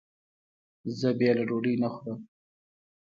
زه بېله ډوډۍ نه خورم.